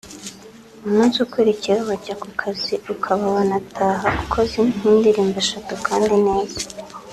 umunsi ukurikiyeho wajya ku kazi ukaba wanataha ukoze nk’indirimbo eshatu kandi neza